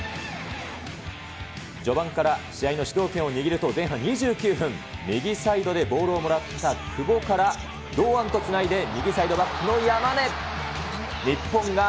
序盤から試合の主導権を握ると、前半２９分、右サイドでボールをもらった久保から堂安とつないで、右サイドバックのこの山根。